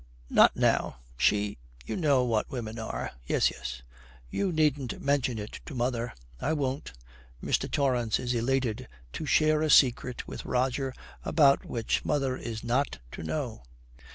'Not now. She you know what women are.' 'Yes, yes.' 'You needn't mention it to mother.' 'I won't.' Mr. Torrance is elated to share a secret with Roger about which mother is not to know.